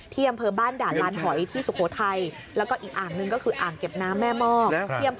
ที่อ่างเก็บน้ำแม่มอกอ่างเก็บน้ำแม่มอก